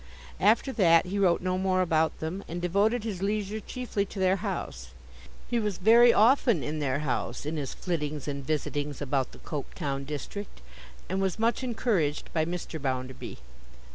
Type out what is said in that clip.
After that, he wrote no more about them, and devoted his leisure chiefly to their house. He was very often in their house, in his flittings and visitings about the Coketown district; and was much encouraged by Mr. Bounderby.